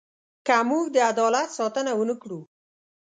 که موږ د عدالت ساتنه ونه کړو.